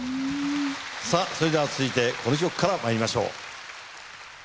さぁそれでは続いてこの曲からまいりましょう。